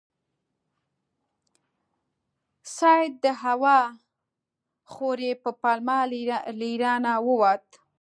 سید د هوا خورۍ په پلمه له ایرانه ووت.